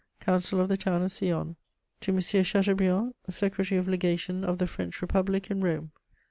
"COUNCIL OF THE TOWN OF SION. "_To Monsieur Chateaubriand, Secretary of Legation of the French Republic in Rome.